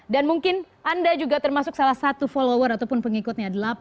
dan mungkin anda juga termasuk salah satu follower ataupun pengikutnya